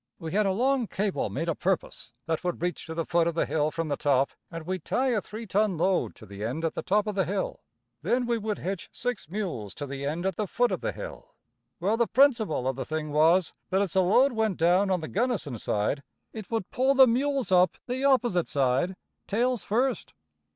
We had a long table made a purpose, that would reach to the foot of the hill from the top, and we'd tie a three ton load to the end at the top of the hill; then we would hitch six mules to the end at the foot of the hill. Well, the principle of the thing was, that as the load went down on the Gunnison side it would pull the mules up the opposite side, tails first."